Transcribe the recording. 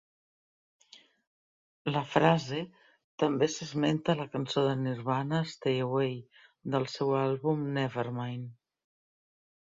La frase també s'esmenta a la cançó de Nirvana "Stay Away", del seu àlbum "Nevermind".